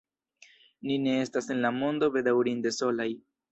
Ni ne estas en la mondo bedaŭrinde solaj!